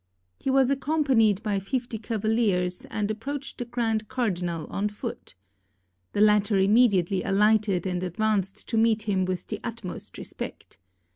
He was accompanied by fifty cavaliers, and approached the grand cardinal on foot. The latter immediately alighted, and advanced to meet him with the utmost respect.